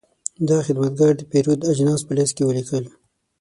دا خدمتګر د پیرود اجناس په لېست کې ولیکل.